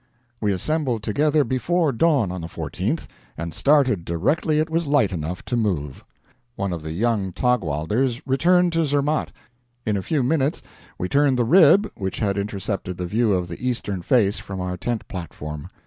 We assembled together before dawn on the 14th and started directly it was light enough to move. One of the young Taugwalders returned to Zermatt. In a few minutes we turned the rib which had intercepted the view of the eastern face from our tent platform.